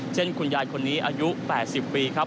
เช่นคุณยายคนนี้อายุ๘๐ปีครับ